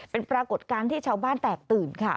เป็นปรากฏการณ์ที่ชาวบ้านแตกตื่นค่ะ